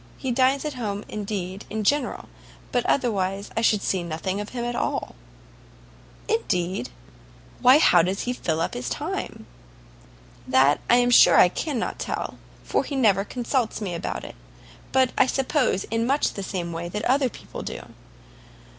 He dines at home, indeed, in general, but otherwise I should see nothing of him at all." "Indeed? why, how does he fill up his time?" "That I am sure I cannot tell, for he never consults me about it; but I suppose much in the same way that other people do."